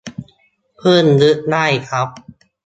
เพิ่งนึกได้ครับ